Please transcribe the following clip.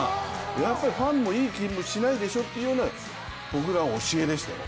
やっぱりファンもいい気もしないでしょというような僕らは教えでしたよ。